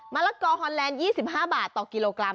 ละกอฮอนแลนด์๒๕บาทต่อกิโลกรัม